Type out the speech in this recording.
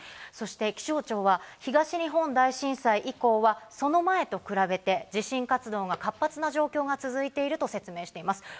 そして気象庁は東日本大震災以降は、その前と比べて地震活動が活発な状況が続いていると説明しています。